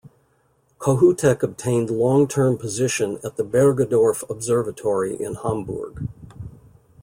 Kohoutek obtained long term position at the Bergedorf Observatory in Hamburg.